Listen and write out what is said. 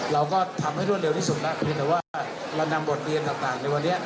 เราก็ทำให้รวดเร็วที่สุดแล้วเพียงแต่ว่าเรานำบทเรียนต่างในวันนี้